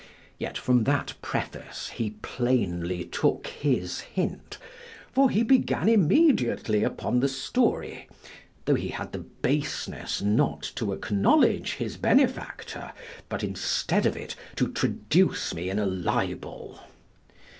Yet from that preface he plainly took his hint: for he began immediately upon the story, tho' he had the baseness not to acknowledge his benefactor but, instead of it, to traduce me in a libel.